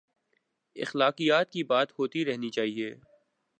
اخلاقیات کی بات ہوتی رہنی چاہیے۔